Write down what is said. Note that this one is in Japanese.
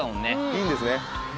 いいんですね？